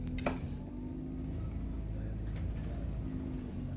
K nedostatkům dochází v členských státech.